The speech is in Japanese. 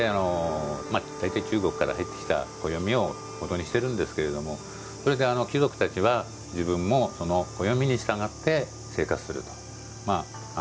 中国から入ってきた暦をもとにしてるんですけど貴族たちは自分も暦に従って生活すると。